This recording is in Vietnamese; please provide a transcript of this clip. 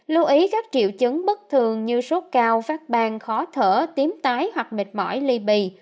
lưu ý các triệu chứng bất thường như sốt cao phát bang khó thở tím tái hoặc mệt mỏi ly bì